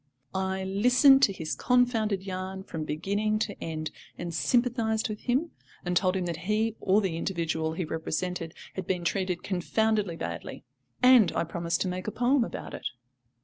I listened to his confounded yarn from beginning to end, and sympathised with him, and told him that he, or the individual he represented, had been treated confoundedly badly; and I promised to make a poem about it.